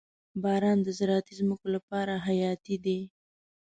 • باران د زراعتي ځمکو لپاره حیاتي دی.